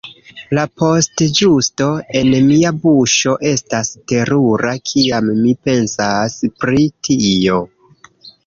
La postĝusto en mia buŝo estas terura kiam mi pensas pri tio.